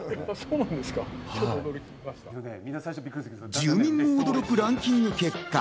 住民も驚くランキング結果。